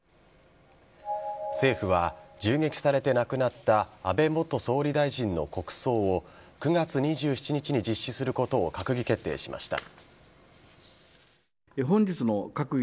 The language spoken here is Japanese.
政府は銃撃されて亡くなった安倍元総理大臣の国葬を９月２７日に実施することを閣議決定しました。